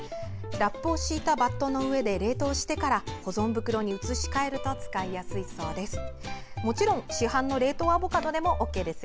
ラップを敷いたバットの上で冷凍してから保存袋に移し替えると使いやすいそうです。